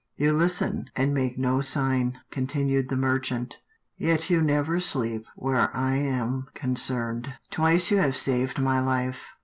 " You listen, and make no sign," continued the merchant, " yet you never sleep where I am concerned. Twice you have saved my Hfe.